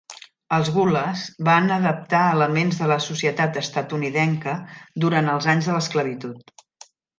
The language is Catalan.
Els gullahs van adaptar elements de la societat estatunidenca durant els anys de l'esclavitud.